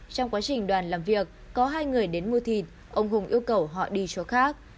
trong quá trình đoàn làm việc có hai người đến mua thịt ông hùng yêu cầu họ đi chỗ khác